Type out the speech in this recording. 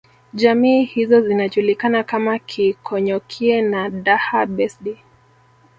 Jamii hizo zinajulikana kama Keekonyokie na Daha Besdi